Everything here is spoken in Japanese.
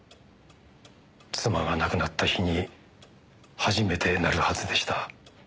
妻が亡くなった日に初めて鳴るはずでした。